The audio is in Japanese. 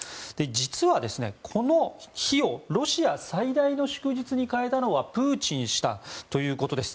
実は、この日をロシア最大の祝日に変えたのはプーチン氏だということです。